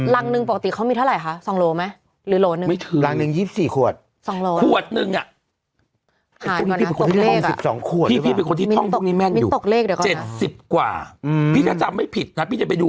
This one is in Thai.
ลังนึงปกติเขามีเท่าไหร่คะ